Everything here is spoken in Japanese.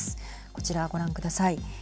こちら、ご覧ください。